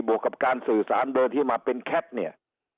วกกับการสื่อสารเดินที่มาเป็นแคปเนี่ย